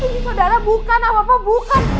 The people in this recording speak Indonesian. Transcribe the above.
ini saudara bukan apa apa bukan